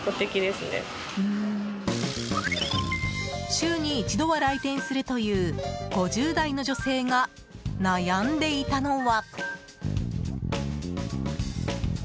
週に一度は来店するという５０代の女性が悩んでいたのは。